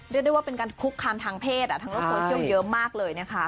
ได้ได้ว่าเป็นการคุกคำทางเพศทั้งละคนเยอะมากเลยนะคะ